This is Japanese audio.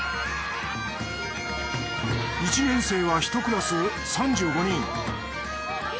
１年生は１クラス３５人。